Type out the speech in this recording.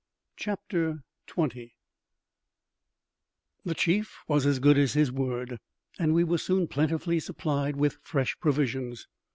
CHAPTER 20 The chief was as good as his word, and we were soon plentifully supplied with fresh provisions.